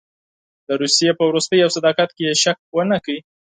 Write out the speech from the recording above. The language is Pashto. د روسیې په دوستۍ او صداقت کې یې شک ونه کړ.